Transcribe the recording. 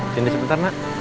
sini sebentar nak